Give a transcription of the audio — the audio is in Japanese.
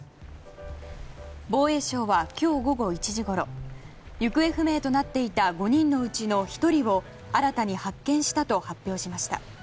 防衛省は今日午後１時ごろ行方不明となっていた５人のうちの１人を新たに発見したと発表しました。